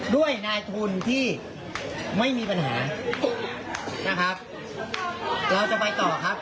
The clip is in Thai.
ด้วยนายทุนที่ไม่มีปัญหานะครับเราจะไปต่อครับ